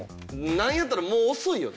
なんやったらもう遅いよね。